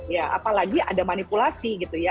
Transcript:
ya apalagi ada manipulasi gitu ya